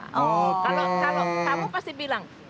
kalau kamu pasti bilang